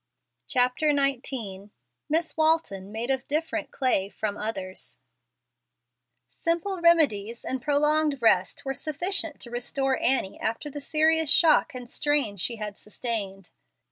CHAPTER XIX MISS WALTON MADE OF DIFFERENT CLAY FROM OTHERS Simple remedies and prolonged rest were sufficient to restore Annie after the serious shock and strain she had sustained.